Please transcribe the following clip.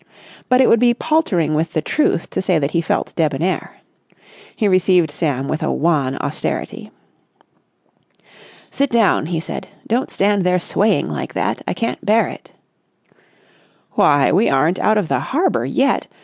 But it would be paltering with the truth to say that he felt debonair. He received Sam with a wan austerity. "Sit down!" he said. "Don't stand there swaying like that. I can't bear it." "Why, we aren't out of the harbour yet.